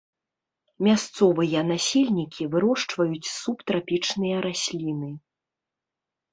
Мясцовыя насельнікі вырошчваюць субтрапічныя расліны.